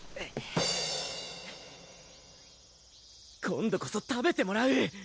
今度こそ食べてもらう！